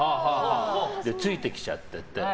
で、ついてきちゃってて。